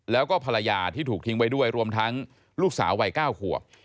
แล้วก็ภรรยาที่ถูกทิ้งไว้ด้วยรวมทั้งลูกสาววัย๙ขวบ